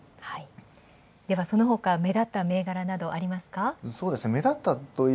そのほか目立った銘柄などありますか？